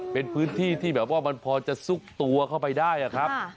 เป็นพื้นที่ที่แบบว่ามันพอจะซุกตัวเข้าไปได้ครับ